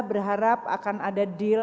berharap akan ada deal